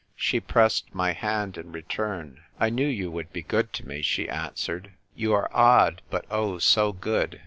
She pressed my hand in return. "I knew you would be good to me," she answered. " You are odd, but oh, so good.